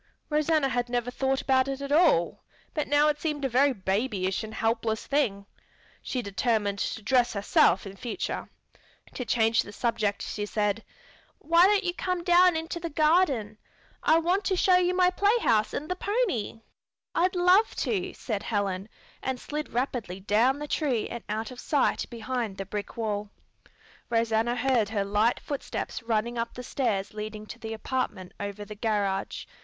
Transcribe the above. Rosanna had never thought about it at all, but now it seemed a very babyish and helpless thing. She determined to dress herself in future. To change the subject she said, "Why don't you come down into the garden? I want to show you my playhouse and the pony." "I'd love to," said Helen, and slid rapidly down the tree and out of sight behind the brick wall. Rosanna heard her light footsteps running up the stairs leading to the apartment over the garage.